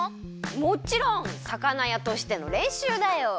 もちろん魚やとしてのれんしゅうだよ。